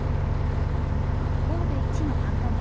神戸一の繁華街